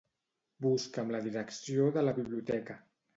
Busca'm la direcció de la biblioteca.